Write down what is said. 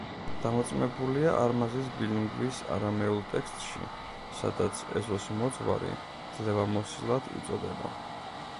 დამოწმებულია არმაზის ბილინგვის არამეულ ტექსტში, სადაც ეზოსმოძღვარი „ძლევამოსილად“ იწოდება.